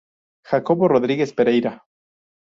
Jacobo Rodriguez Pereira".